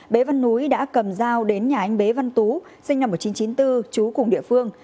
bế văn núi đã cầm dao đến nhà anh bế văn tú sinh năm một nghìn chín trăm chín mươi bốn chú cùng địa phương